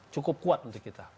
cukup kuat untuk kita